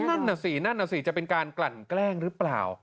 นั่นน่ะสินั่นน่ะสิจะเป็นการกลั่นแกล้งหรือเปล่า